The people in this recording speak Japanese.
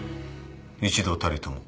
一度たりとも。